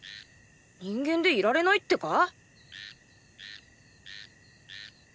人間でいられないってか？